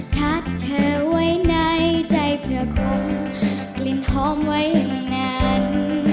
ทักเธอไว้ในใจเพื่อคงกลิ่นหอมไว้อย่างนั้น